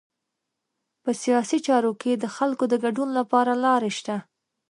په سیاسي چارو کې د خلکو د ګډون لپاره لارې شته.